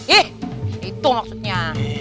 ih itu maksudnya